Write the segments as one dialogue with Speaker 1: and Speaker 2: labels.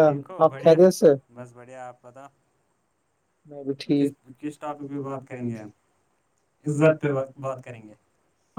Speaker 1: ٹھیک ہو بڑھیا بس بڑھیا آپ پت
Speaker 2: میں بھی ٹھیک ہ جس س بھی بات کریں گے عزت پ وقت بہتی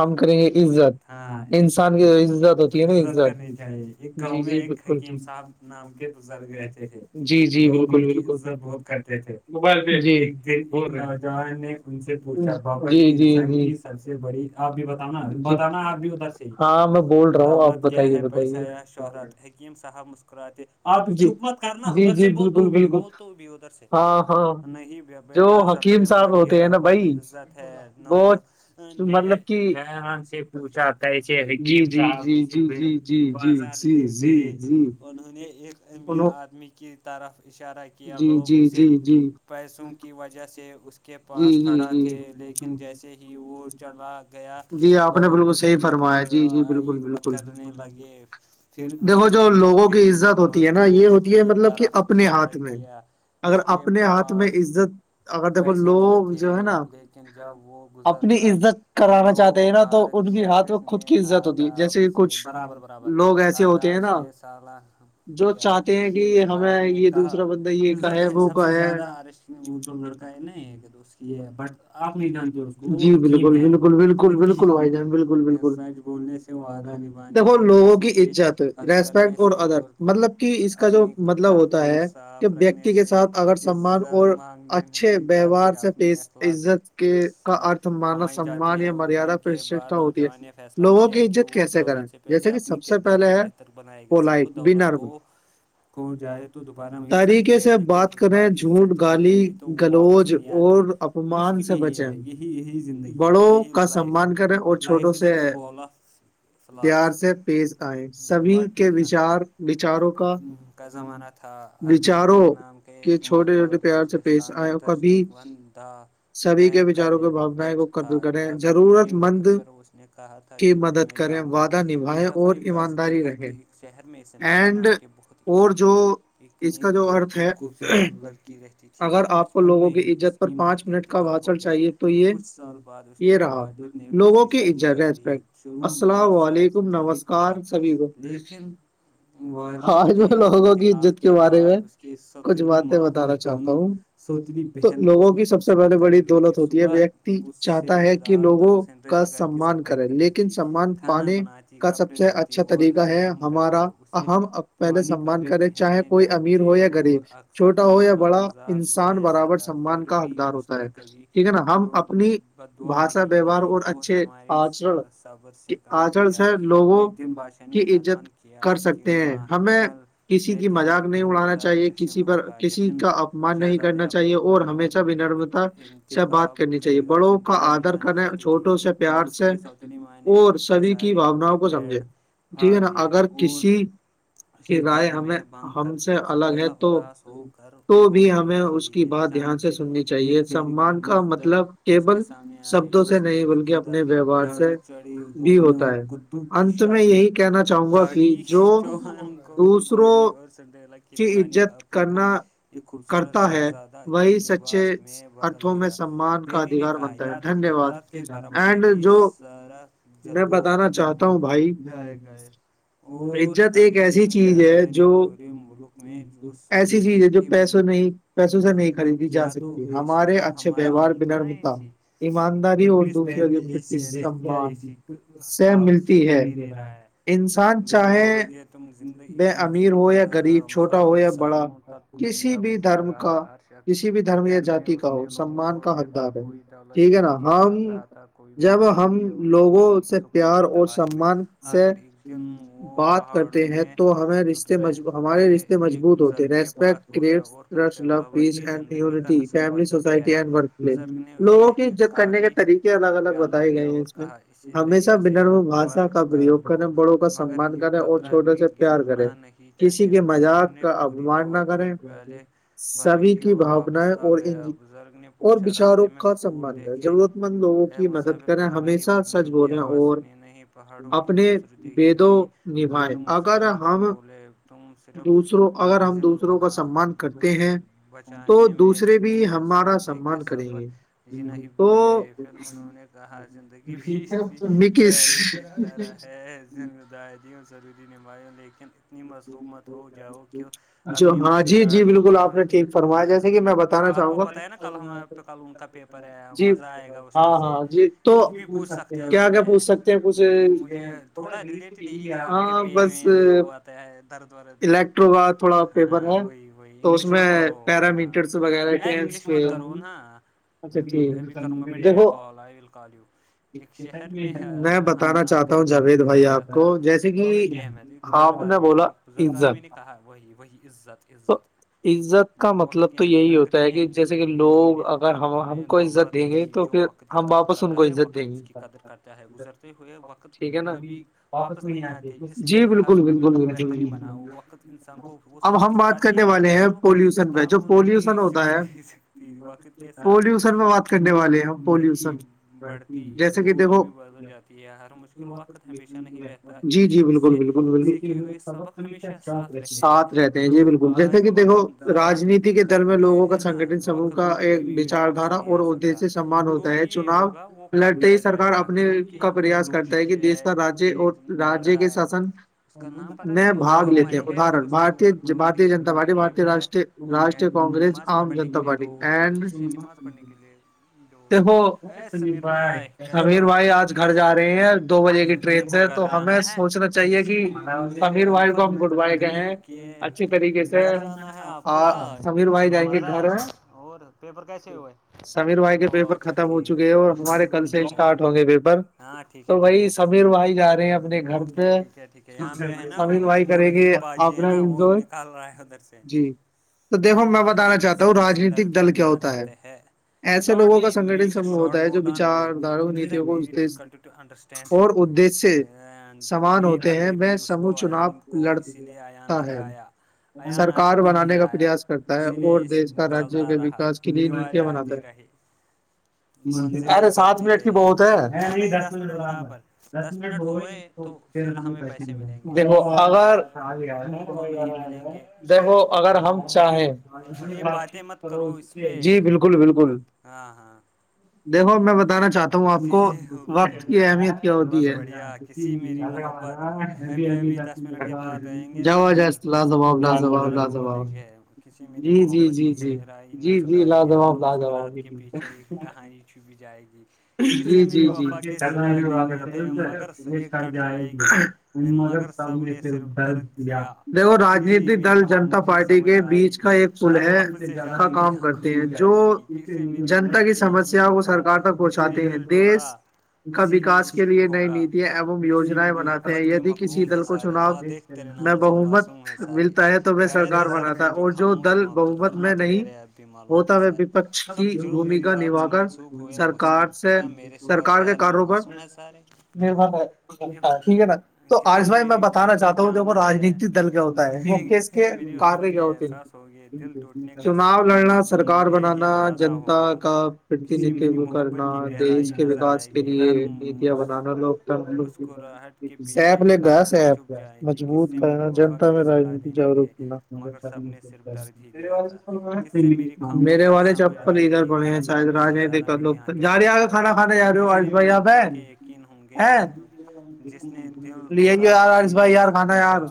Speaker 2: ہم کریں گے عزت انسان کی جو عزت ہوتی ہے نا عزت ک جیز تھ جی جی بالکل بالکل سر کرتے تھے موبل جیج ج جی ج سب بڑی آپ بھی بتانا بتانا آپ ہاں میں بول رہا ہوں آپ بتائیے بتائیے
Speaker 1: کیم صاحب مسکراتے آپ چھپ مت کرنا ادھر سے بول تو بھی بول تو بھی ادھر سے
Speaker 2: ہ ہاں
Speaker 1: نہیں بیٹا سب سے بڑی دولت عزت ہے نوج نے حیران سے پوچھا کیسے حکیم صاحب اسے بازار لے گئے انہوں نے ایک امیر آدمی کی طرف اشارہ کیا لوگ اسے پیسوں کی وجہ سے اس کے پاس کھڑا تھے لیکن جیسے ہی وہ چلا گیا
Speaker 2: جی آپ نے بالکل صحیح فرمایا جی جی بالکل بالکل
Speaker 1: پھر انہوںیں ایک غریب مزدور کی طرف اشارہ کیا
Speaker 2: اگر اپنے اپنے ہاتھ میں عزت اگر دیکھو لوگ جو ہے نا اپنی عزت کرانا چاہتے ہیں نا تو ان کے ہاتھ میں خود کی عزت ہوتی ہے جیسے کچھ لوگ ایسے
Speaker 1: آداب سے سال کیا سکم صاحب نے کہا عزت ہے سب سے زیادہ آرسٹ وہ جو لڑکا ہے نا کہ دوست کی ہے بٹ آپ نہیں
Speaker 2: جی بالکل بالکل بالکل بالکل آ ج بالکل بکل دیکھو لوگوں کی عزت ہے ریسپیکٹ اور ادر مطلب کہ اس کا جو مطلب ہوتا ہے کہ ویکتی کے ساتھ سمان اور اچھے ووہار سےی عزت کے کا ارھ تو مان سمان یا مریادہ پرشٹا ہوتی ہے لوگوں کی عزت کیسے کریں جیسے کہ سب سے پہلے ہے
Speaker 1: بنائے گا س خود دولت کھو جائے تو دوبارہ مل سکتی ہے لیکن ایک
Speaker 2: جھوٹ گالی گلوج اور اپمان سے بچیں بڑوں کا سمان کریں اور چھوٹوں سے پیار سے پیز آئے سبھی کے وچار وچاروں کا وچاروں
Speaker 1: کے ایک مزل اور گزلستان دستک وند تھا بینگ کا لیڈر ٹچ تھا آزادی کے وقت پر اس نے کہا
Speaker 2: کی مدد کریں وعدہ نبھائیں اور ایماندار
Speaker 1: ہے کہ شہر میں سنٹرال نام کے بہت ایک نیک جل اور دوسرا لڑکی رہتی تھی بچپن میں ہی اس کی ماں کا انتقال ہو گیا کچھ سال بعد اس کے والد نے ایک دوسری شادی کر لی شروع میں
Speaker 2: السلام علیکم نمسکار سبھی کوج لوگوں کی عزت کے بارے میں کچھ باتیں بتانا چاہتا ہوں تو لوگوں کی سب سے پہلے بڑی دولت ہوتی ہے میں چاہتا ہے کہ لوگوں کا سمان کریں لیکن سمان پانے کا سب سے اچھا اچھا طریقہ ہے ہمارا ہم پہلے سمان کریں چاہے کوئی امیر ہو یا غریب چھوٹا ہو یا بڑا انسان برابر سمان کا حقدار ہوتا ہے ٹھیک ہے نا ہم اپنی
Speaker 1: ب دعا نہیں دی اور ہمارے صبر سے کام دیا ایک
Speaker 2: ایجت کر سکتے ہیں ہمیں کسی کی مذاق نہیں اڑانا چاہیے کسی پر کسی کا اپمان نہیں کرنا چاہیے اور ہمیشہ بھی نرمتا سے بات کرنی چاہیے بڑوں کا آدر کرنے چھوٹوں سے پیار سے اور سبھی کی بھوناؤ کو سمجھے ٹھیک ہے نا اگر کسی کی رائے ہمیں ہم سے الگ ہے تو تو بھی ہمیں اس کی بات دھیان سے سننی چاہیے سمان کا مطلب کیل شبدوں سے نہیں بلکہ اپنے ویوہار سے بھی ہوتا ہےت
Speaker 1: شادی گاڑی چوہان کو گوڑی اور سنڈریلا کے پرانیے کب تم کو ایک خوبصورت شہزادہ کے لباس میں بدل دیا فیری نے کہا یاد رکھنا رات کے بارہ بجے کی سارا جدو ختم
Speaker 2: چاہتا ہوں بھائی میں عزت ایک ایسی چیز ہے جو چیز ہے جو پیسوں نہیں پیسوں سے نہیں خریدی جا سکتی گی ہمارے اچھے ویوہار بنرمتا ایمانداری اور دوسروں م
Speaker 1: ٹھنڈی دے رہا ہے بھر بولو کہ تم زندگی مسافر سالوں تک دنیا گھومتا رہا ہر ش شر میں اس نے لوگوں کو دیکھا کوئی دولت کے پیچھے بھاگ رہا تھا کوئی محبت کے اور کوئی سکون کی تلاش
Speaker 2: سمان سے بات کرتے ہیں تو ہمیں رشتے م ہمارے رشتے مجبوط ہوتے ریسپیکٹ کرٹ trust love peace and unity family society and work لوگوں کی عزت کرنے کے طریقے الگ الگ بتائے گئے ہیں اس میں ہمیشہ بنرم با کا پرریوگ کریں بڑوں کا سمان کریں اور چھوٹے سے پیار کریں کسی کے مذاق کا
Speaker 1: توجہ والے فرکی اور واپس آ گیا بزرگ نے پوچھا راستے میں پھول دیک
Speaker 2: ضرورت مند لوگوں کی مدد کریں ہمیشہ سچ بولے اور
Speaker 1: نہیں پہاڑوں کی خوبصورتی ہی نہیں بزرگ مسکرا کر بولے تم صرف
Speaker 2: اگر ہم دوسروں کا سمان کرتے ہیں تو دوسرے بھی ہمارا سمان کریں گے تو
Speaker 1: رہا زندگی بھی اسی پہلے کی
Speaker 2: ہ ہ
Speaker 1: وں ضروری نماں لیکن اتنی مسلومت ہو جاؤ اپنی مسکراہٹ خودرا ہے آپ کو پتہ ہے نا کل ہمارے پہ کل ان کا پیپر ہے مزہ آئے گا اس میں سے کچھ بھی پوچھ سکتے ہیں اس میں مجھے تھوڑا ریلیٹڈ ہی ہے آپ کے پین وین جو آتا ہے درد ورد
Speaker 2: ب تھوڑا پیپر ہے
Speaker 1: وہ انگلش مت کرو ہ نہیں انگلش مت کرو ہ ابھی ابھی کروں گا میں dad call I will call you
Speaker 2: میں بتانا چاہتا ہوں جاوید بھائی آپ کو جیسے کہ آپ ان نے بولا ازت
Speaker 1: کہا وہی وہی عزت عزت وقت کے ہیں اگر کہ کہ اس دنیا میں دولت نہیں جو وقت و کی قدر کرتا ہے وقت اس کی قدر کرتا ہے گزرتے ہوئے وقت کبھی
Speaker 2: واپس میں آتے جی بالکل بالکل
Speaker 1: انسان کو وہ سبق سکھاتی رہتی ہے جو کتابوں نہیں ت وقت کے ساتھ صرف عمر نہیں بڑھتی سوچ بھی بدل جاتی ہر مشکل وقت ہمیشہ نہیں رہتا لیکن اس سے سیکھ
Speaker 2: سب کمیش ساتھ رہتے ہیں جی بالکل جیسے کہ دیکھو رانیتی کے دل میں لگوں کا سنگٹن سم کا ایک وچار دارا اور اد سے سمان ہوتا ہے چناؤ لڑتے ہی سرک اپنے کا پریاس کرتا ہے کہ دیش کا رجیہ اور رایہ کے شاسن نے باگ لے کے ادر بار بار جنتا پارٹی بار راشٹری کانگریس عم جنتا پارٹی اینڈ ھ س بھائی سمیر بھائی آج گھر جا رہے ہیں دو بجے کی ٹری سے تو ہمیں سوچنا چاہیے کہ سمیر بھائی کو ہم
Speaker 1: تقریر کیے گھر جانا ہے آپ کو کہ اور مزہ ہے اور پیپر کہسے ہوو
Speaker 2: سمیر بھائی کے پیپر ختم ہو چکے ہیں اور ہمارے کل سے اسٹارٹ ہوں گے پیپر تو وہی سمیر وھائی جا رہے ہیں اپنے گھر پہ سمیر وھائی کریں گے
Speaker 1: پا جی ہے نا وہ نکال رہا ہے ادھر سے
Speaker 2: تو دیکھو میں بتانا چاہتا ہوں رانیتک دل کیا ہوتا ہے
Speaker 1: shot me make us shot not aren't is an we difficult to understand
Speaker 2: اور ادش سمان ہوتے ہیں میں سمو چناؤ لڑ
Speaker 1: اس لیے آیا نہیں آیا اییان آیا تو نہیں آیا اسی لیے اس چلتا رہا دیواریں آتی رہی [unintelligible]
Speaker 2: م ارے سات منٹ کی بہت ہے نہیں دس منٹ براب دس منٹ وہ دیکو اگر دیکھو اگر ہم چاہیں جی بالکل بالکل
Speaker 1: ہاں ہاں
Speaker 2: دیکھو میں بتانا چاہتا ہوں آپ کو وقت کی اہمیت کیا ہوتی ہے اارا ہاںبب جات جا جائےس لاازو باؤ لاازو بؤ لاازو بؤ
Speaker 1: کسی میری محبت کی گہرائی نظر آئی ہر مسکرات کے پیچھے ایک کہانی کچھ بھی جائے گی
Speaker 2: جی جی جی جی آ مگر تب نے صرف درج کیا دیکھو رانیتک دل جنتا پارٹی کے بیچ کا ایک ف کا کام کرتے ہیں جو جنتا کی سمسیا کو سرک تک پہنچاتے ہیں دیس کا وکاس کے لیے نئی نیتیاں ایوم یجنایں بناتے ہیں ید کسی دل کو چناؤ میں بہمت ملتا ہے تو میں سرکار بناتا ہے اور جو دل بہومت میں نہیں ہوتا ہو وپک کی بھومکا نھا کر
Speaker 1: ن
Speaker 2: سرک
Speaker 1: کیا میرے سوات شہر میں معسوم ہے سارے یہ کس سے میری الرفت کے چانس ہے سے میری الفت کے احساس ہوگی دل ٹوٹنے کا صرف مجھے ہی اندازہ ہو
Speaker 2: کا پڑتی ن وہ کرنا دیش کے وکاس کے لیے نیتیاں بنانا لوکتنر سیپ لے گیا سپ کا مجبوط کرنا جنتا میں رانیتی جاگروک کرنا میرے والے چپل ادھر بنے [unintelligible] شاید رانیتک مطلوب
Speaker 1: کہ بھول جائے گی کس سے میری الفت کے یقین ہوں گے جس نے دل توڑا اسی نے عشق ہوگا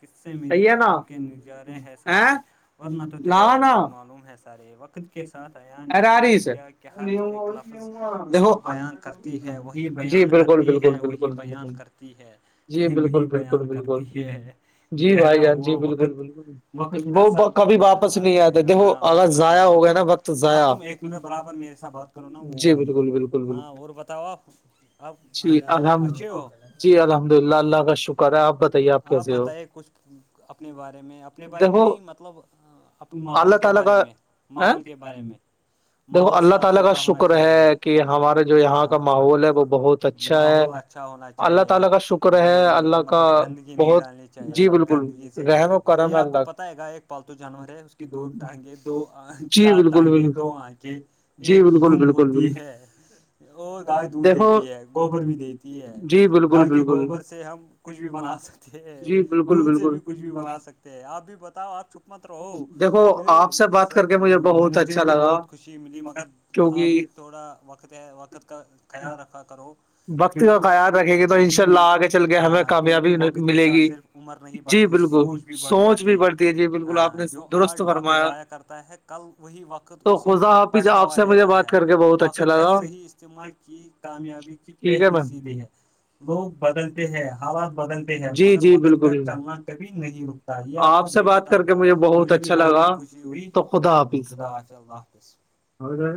Speaker 1: کس سے میری یادوں کے نجارے ہے سارے ورنہ تو تیرے ایپ بھی معلوم ہے سارے وقت کے ساتھ ایان نے سیکھ لیا کہ ہر ایک لفظ اس کو بیان کرتی ہے وہی بیان کرتی ہے وہی بیان کرتی تی ہے [unintelligible]
Speaker 2: جی بالکل بالکل بالکل نہیں جی بھائی ان جی بالکل بالکل وہ کبھی واپس نہیں آتا دیکھو ا ضائع ہو گیا نا وقت ضائع ایک منٹ برابر م
Speaker 1: سا بات کروں نا وہ والی ہاں اور بتاؤ آپ آپ اچھے ہو
Speaker 2: جی الحمد للہ اللہ کا شکر کرا آپ بتائیے آپ
Speaker 1: آپ بتائیے کچھ اپنے بارے میں اپنے بارے میں نہیں مطلب
Speaker 2: [inaudible]
Speaker 1: ماحول کے بارے میں
Speaker 2: [inaudible] [inaudible]
Speaker 1: چاہیے گندگی سے یہ آپ کو پتا ہے گا ایک پالتو جانور ہے اس کی دو ٹانگیں دو چار ٹانگیں دو آنکھیں ایک دم ہوتی ہے ا گائے دود د ہے گوبر بھی دیتی ہے گائے کے گوبر سے ہم کچھ بھی بنا سکتے دودھ سے بھی کچھ بھی بنا سکتے ہیں آپ بھی بتاؤ آپ چپ مت رہو
Speaker 2: دیکھو آپ سے بات کر کے مجھے بہت اچھا لگا کیکہ وقت کا خیال رکھیں گے تو ان شاء اللہ آگ چل کےئے ہمیں کامیابی ملے گی
Speaker 1: عمر نہیں بڑھتی سوچ بھی بڑھ جاتی ہے ہاں ہاں جو آج وقت ضائع کرتا ہے کل وہی وقت اسے پچھتاوا دیتا ہے وقت کا صحیح استعمال کی
Speaker 2: کامیابی کی چرے بنلی ہے وہ بدلتے ہیں آواز بدلتے ہیں جی جی بالکل بک بات کبھی نہیں ہو آپ سے بات کر کے مجھے بہت اچھا لگا تو خودا پس رہ